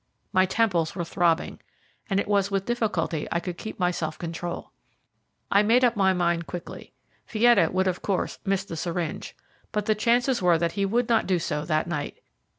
My temples were throbbing, and it was with difficulty I could keep my self control. I made up my mind quickly. Fietta would of course miss the syringe, but the chances were that he would not do so that night.